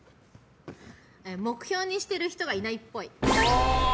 目標にしている人がいないっぽい。